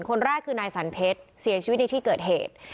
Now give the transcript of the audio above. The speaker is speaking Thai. คนแรกคือนายสันเพชรเสียชีวิตในที่เกิดเหตุ